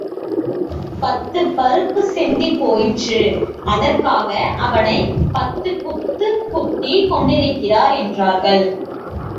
பத்துப் பருப்புச் சிந்திப் போயிற்று, அதற்காக அவனைப் பத்துக் குத்துக் குத்திக் கொண்டிருக்கிறார் என்றார்கள்.